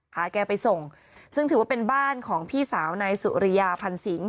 แกไปส่งซึ่งถือว่าเป็นบ้านของพี่สาวนายสุริยาพันธ์สิง